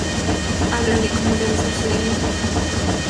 Hablan de cómo debe usar su dinero.